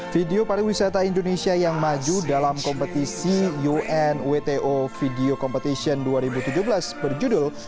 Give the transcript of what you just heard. video pariwisata indonesia yang maju dalam kompetisi unwto video competition dua ribu tujuh belas berjudul